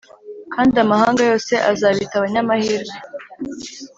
Kandi amahanga yose azabita abanyamahirwe